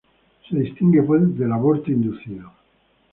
Se distingue pues del aborto inducido.